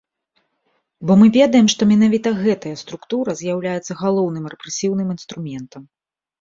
Бо мы ведаем, што менавіта гэтая структура з'яўляецца галоўным рэпрэсіўным інструментам.